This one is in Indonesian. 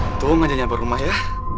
untung aja nyamper rumah ya